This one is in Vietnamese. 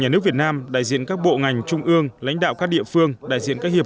nhà nước việt nam đại diện các bộ ngành trung ương lãnh đạo các địa phương đại diện các hiệp